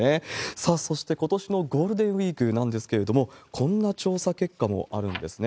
さあ、そしてことしのゴールデンウィークなんですけれども、こんな調査結果もあるんですね。